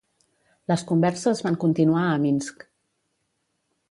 Les converses van continuar a Minsk.